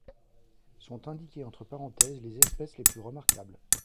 Sont indiquées entre parenthèses les espèces les plus remarquables.